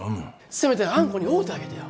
せめてあんこに会うたげてよ。